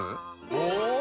お！